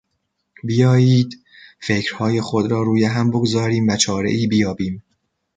بیایید فکرهای خود را روی هم بگذاریم و چارهای بیابیم.